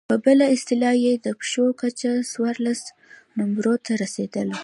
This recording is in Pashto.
په بله اصطلاح يې د پښو کچه څوارلس نمبرو ته رسېدله.